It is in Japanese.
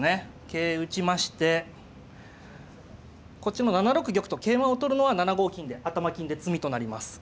桂打ちましてこっちも７六玉と桂馬を取るのは７五金で頭金で詰みとなります。